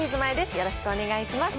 よろしくお願いします。